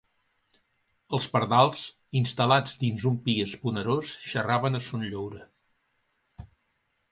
Els pardals, instal·lats dins un pi esponerós, xerraven a son lloure.